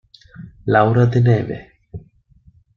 Laura De Neve